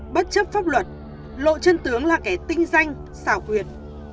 bất chấp pháp luật lộ chân tướng là kẻ tinh danh xảo quyệt